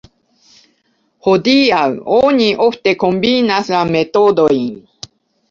Hodiaŭ oni ofte kombinas la metodojn.